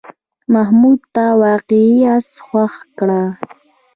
محمود ته واقعي آس خوښ کړه.